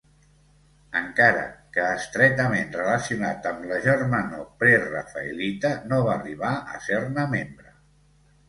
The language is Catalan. Encara que estretament relacionat amb la Germanor Prerafaelita, no va arribar a ser-ne membre.